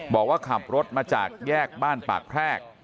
บอกว่าขับรถมาจากแยกบ้านปากแพรก